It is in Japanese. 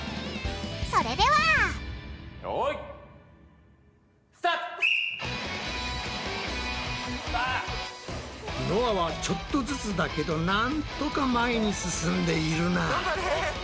それではよい！のあはちょっとずつだけどなんとか前に進んでいるな。